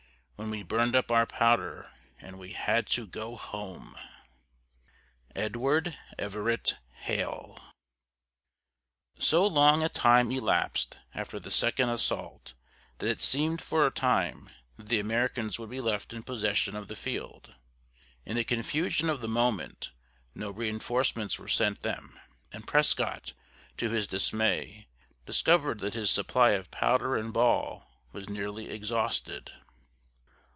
When we burned up our Powder, we had to go Home! EDWARD EVERETT HALE. So long a time elapsed after the second assault that it seemed for a time that the Americans would be left in possession of the field. In the confusion of the moment, no reinforcements were sent them, and Prescott, to his dismay, discovered that his supply of powder and ball was nearly exhausted.